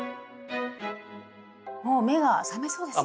もう目が覚めそうですね！